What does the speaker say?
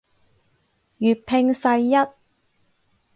粵拼世一